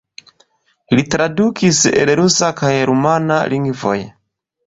Li tradukis el rusa kaj rumana lingvoj.